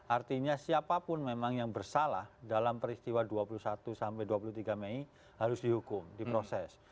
artinya siapapun memang yang bersalah dalam peristiwa dua puluh satu sampai dua puluh tiga mei harus dihukum diproses